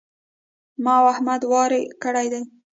ما او احمد واری کړی دی.